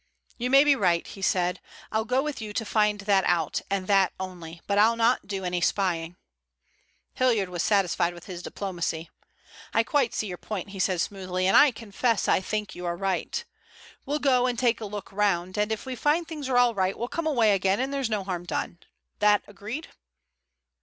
"You may be right," he said. "I'll go with you to find that out, and that only. But I'll not do any spying." Hilliard was satisfied with his diplomacy. "I quite see your point," he said smoothly, "and I confess I think you are right. We'll go and take a look round, and if we find things are all right we'll come away again and there's no harm done. That agreed?"